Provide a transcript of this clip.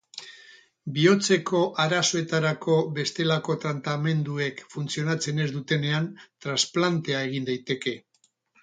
Bihotzeko arazoetarako bestelako tratamenduek funtzionatzen ez dutenean transplantea egin daiteke.